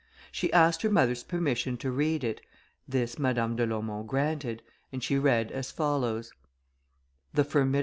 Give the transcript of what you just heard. She asked her mother's permission to read it, this Madame de Laumont granted, and she read as follows: THE FORMIDABLE MONSTERS.